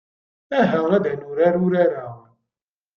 Aha ad nurar urar-a.